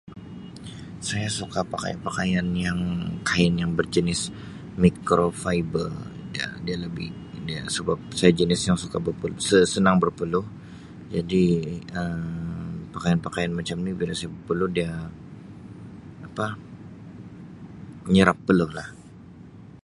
Saya suka pakai pakaian yang kain yang berjenis mikro fiber Um dia dia lebih sebab saya jenis yang suka senang berpeluh jadi Um pakaian-pakaian macam ni bila saya berpeluh dia apa menyerap peluh lah.